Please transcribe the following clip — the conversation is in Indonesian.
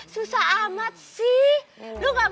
susah amat sih